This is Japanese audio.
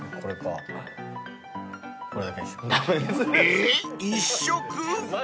［えー１色？］